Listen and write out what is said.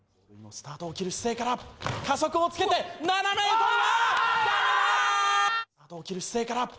スタートを切る姿勢から加速をつけて７メートル。